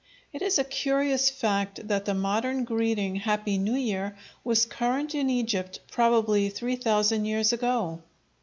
It is a curious fact that the modern greeting "Happy New Year" was current in Egypt probably three thousand years ago.